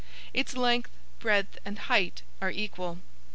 }. Its length, breadth, and height are equal.